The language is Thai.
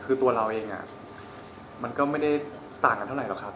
คือตัวเราเองมันก็ไม่ได้ต่างกันเท่าไหรอกครับ